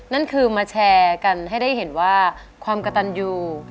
นั่นคือมาแชร์กันให้ได้เห็นว่าความกระตันยู